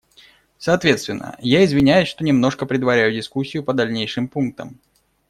Соответственно, я извиняюсь, что немножко предваряю дискуссию по дальнейшим пунктам.